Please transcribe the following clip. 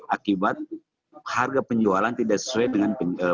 akibat harga penjualan tidak sesuai dengan